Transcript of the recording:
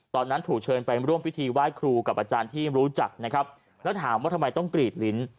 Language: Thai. ตอนนั้นถูกเชิญไปร่วมพิธีไหว้ครูกับอาจารย์ที่รู้จักนะครับแล้วถามว่าทำไมต้องกรีดลิ้น